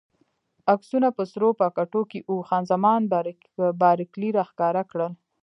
عکسونه په سرو پاکټو کې وو، خان زمان بارکلي راښکاره کړل.